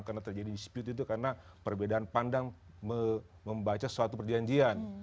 karena terjadi dispute itu karena perbedaan pandang membaca suatu perjanjian